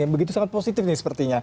yang begitu sangat positif nih sepertinya